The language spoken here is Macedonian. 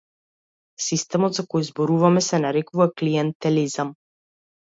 Системот за кој зборуваме се нарекува клиентелизам.